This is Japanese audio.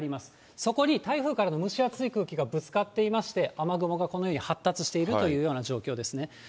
そこに台風からの蒸し暑い空気がぶつかっていまして、雨雲がこのように発達しているというような状況ですね。